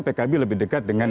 pkb lebih dekat dengan